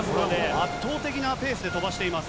圧倒的なペースで飛ばしています。